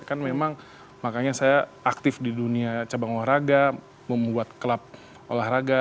kan memang makanya saya aktif di dunia cabang olahraga membuat klub olahraga